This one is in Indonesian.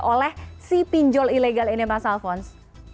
oleh si pindol ilegal ini mas alfons